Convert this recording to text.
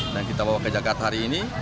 dan kita bawa ke jakarta hari ini